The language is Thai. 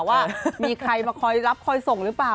ว่ามีใครมาคอยรับคอยส่งหรือเปล่า